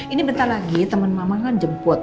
ini bentar lagi teman mama kan jemput